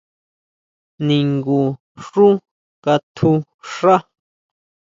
¿Ningu xu katjuʼxaá?